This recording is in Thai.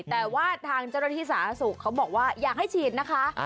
แต่ว่าทางเจรติศาสุเขาบอกว่าอยากให้ฉีดนะคะ